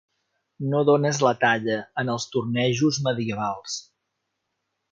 No dónes la talla en els tornejos medievals.